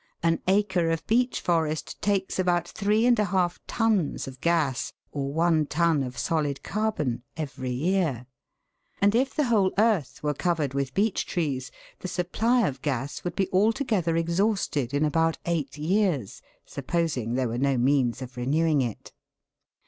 An acre of beech forest takes about three and a half tons of gas, or one ton of solid carbon, every year; and if the whole earth were covered with beech trees, the supply of gas would be altogether exhausted in about eight years, supposing there were no means of renewing it.